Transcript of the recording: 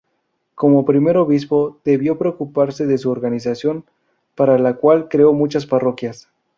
Como primer obispo debió preocuparse de su organización, para lo cual creó muchas parroquias.